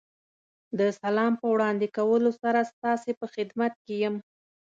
د سلام په وړاندې کولو سره ستاسې په خدمت کې یم.